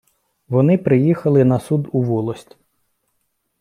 Вони приїхали на суд у волость.